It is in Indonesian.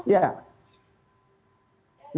baik benar demikian pak gembong